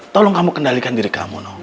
tolong kamu kendalikan diri kamu